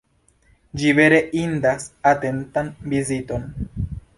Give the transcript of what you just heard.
Ĝi vere indas atentan viziton.